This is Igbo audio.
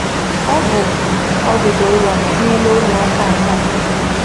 Ọ bụ ọdụdụ nwa n’ime ụmụaka asaa.